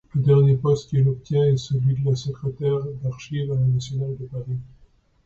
Le dernier poste qu'il obtient est celui de secrétaire aux Archives nationales à Paris.